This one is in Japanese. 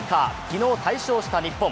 昨日、大勝した日本。